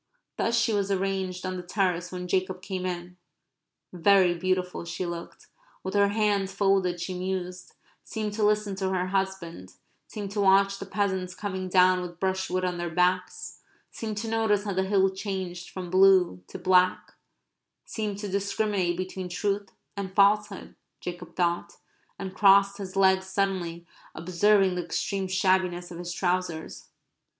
Thus she was arranged on the terrace when Jacob came in. Very beautiful she looked. With her hands folded she mused, seemed to listen to her husband, seemed to watch the peasants coming down with brushwood on their backs, seemed to notice how the hill changed from blue to black, seemed to discriminate between truth and falsehood, Jacob thought, and crossed his legs suddenly, observing the extreme shabbiness of his trousers.